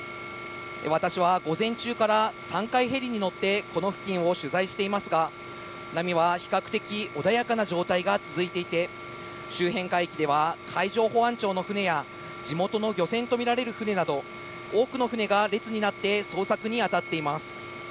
私は午前中から、３回ヘリに乗ってこの付近を取材していますが、波は比較的穏やかな状態が続いていて、周辺海域では海上保安庁の船や、地元の漁船と見られる船など、多くの船が列になって捜索に当たっています。